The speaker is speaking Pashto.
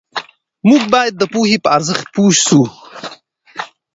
موږ باید د پوهې په ارزښت پوه سو.